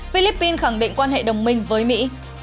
philippines khẳng định quan hệ đồng minh với mỹ